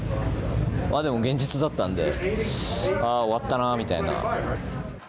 でも現実だったんで、ああ、終わったなみたいな。